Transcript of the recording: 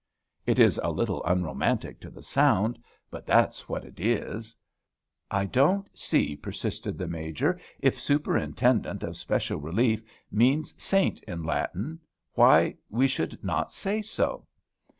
It is a little unromantic to the sound; but that's what it is." "I don't see," persisted the major, "if Superintendent of Special Relief means Saint in Latin, why we should not say so."